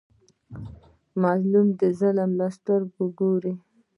مظلوم د ظالم له سترګو ګوري.